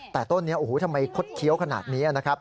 แต่ต้นนี้ทำไมคดเขียวขนาดนี้นะครับ